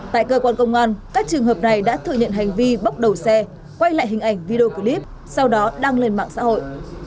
tại cơ quan công an các trường hợp này đã thừa nhận hành vi bốc đầu xe quay lại hình ảnh video clip sau đó đăng lên mạng xã hội